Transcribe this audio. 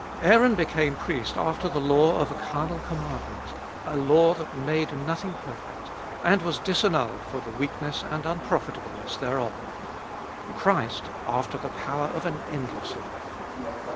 Aaron became priest after the law of a carnal commandment, a law that made nothing perfect, and was disannulled for the weakness and unprofitableness thereof; Christ, after the power of an endless life.